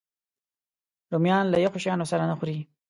رومیان له یخو شیانو سره نه خوري